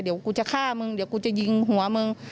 เดี๋ยวกูจะฆ่ามึงเดี๋ยวกูจะยิงหัวมึง